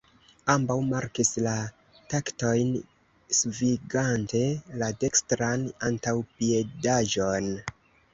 Ambaŭ markis la taktojn svingante la dekstran antaŭpiedaĵon.